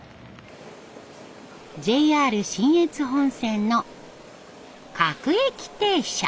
信越本線の各駅停車。